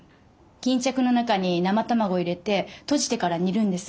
巾着の中に生卵入れて閉じてから煮るんです。